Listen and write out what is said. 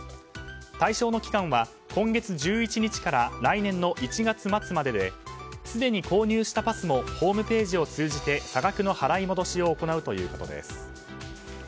対象の期間は今月１１日から来年の１月末までですでに購入したパスもホームページを通じて差額の払い戻しを行うということです。